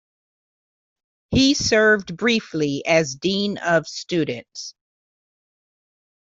He served briefly as Dean of Students.